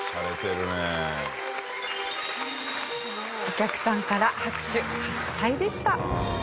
お客さんから拍手喝采でした。